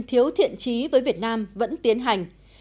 thiện trí với việt nam vẫn tiến hành